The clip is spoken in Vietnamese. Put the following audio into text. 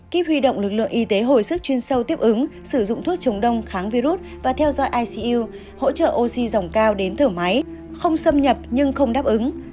kiếp huy động lực lượng y tế hồi sức chuyên sâu tiếp ứng sử dụng thuốc chống đông kháng virus và theo dõi icu hỗ trợ oxy dòng cao đến thở máy không xâm nhập nhưng không đáp ứng